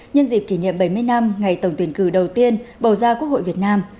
nhân dịp kỷ niệm bảy mươi năm ngày tổng tuyển cử đầu tiên bầu ra quốc hội việt nam